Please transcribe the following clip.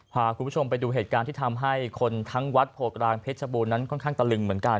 พาคุณผู้ชมไปดูเหตุการณ์ที่ทำให้คนทั้งวัดโพกลางเพชรบูรณนั้นค่อนข้างตะลึงเหมือนกัน